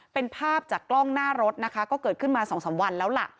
เป็นภาพจากกล้องหน้ารถนะคะก็เกิดขึ้นมาสองสามวันแล้วล่ะ